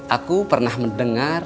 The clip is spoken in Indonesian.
aku pernah mendengar